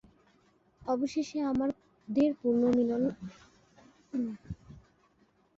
অবশেষে আমাদের পুণর্মিলন হলো।